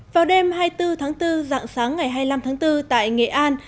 vào đêm hai mươi bốn tháng bốn dạng sáng ngày hai mươi năm tháng bốn tại nghệ an